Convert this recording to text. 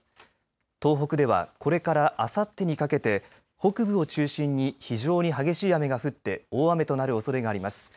東北ではこれからあさってにかけて北部を中心に非常に激しい雨が降って大雨となるおそれがあります。